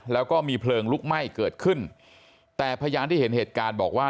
แล้วก็มีเพลิงลุกไหม้เกิดขึ้นแต่พยานที่เห็นเหตุการณ์บอกว่า